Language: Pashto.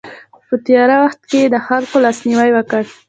په تیاره وخت کې یې د خلکو لاسنیوی وکړ.